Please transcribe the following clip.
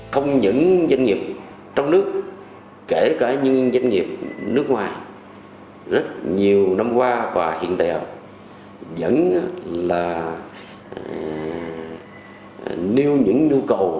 không những doanh nghiệp trong nước kể cả những doanh nghiệp nước ngoài rất nhiều năm qua và hiện tại vẫn là nêu những nhu cầu